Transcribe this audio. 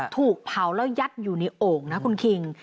ถูกเผาแล้วยัดอยู่ในโอ่งนะคุณคิง